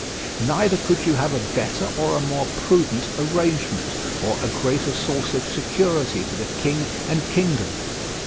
Neither could you have a better or a more prudent arrangement, or a greater source of security to the king and kingdom.